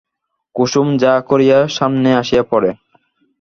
কুসুম ঝা করিয়া সামনে আসিয়া পড়ে।